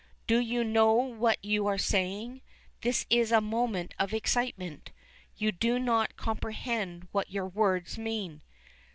"Do you know what you are saying? This is a moment of excitement; you do not comprehend what your words mean."